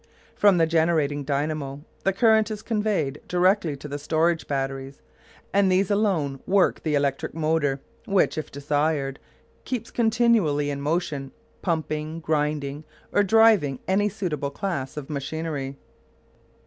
From the generating dynamo the current is conveyed directly to the storage batteries, and these alone work the electric motor, which, if desired, keeps continually in motion, pumping, grinding, or driving any suitable class of machinery.